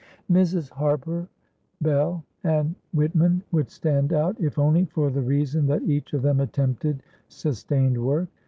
Mrs. Harper, Bell and Whitman would stand out if only for the reason that each of them attempted sustained work.